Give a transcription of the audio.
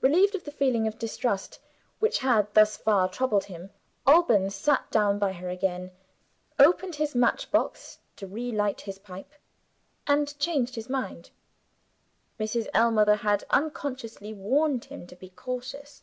Relieved of the feeling of distrust which had thus far troubled him, Alban sat down by her again opened his match box to relight his pipe and changed his mind. Mrs. Ellmother had unconsciously warned him to be cautious.